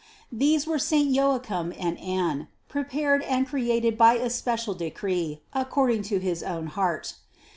These were saint Joachim and Anne, prepared and cre ated by especial decree according to his own heart.